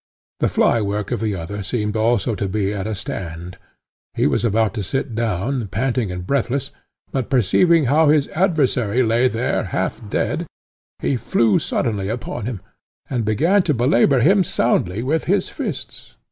The fly work of the other seemed also to be at a stand; he was about to sit down, panting and breathless, but, perceiving how his adversary lay there, half dead, he flew suddenly upon him, and began to belabour him soundly with his fists.